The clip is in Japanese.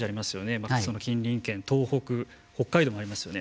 また、その近隣県東北北海道もありますよね